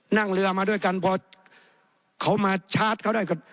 นั่งเรือมาด้วยกันพอเขามาชาร์จเขาได้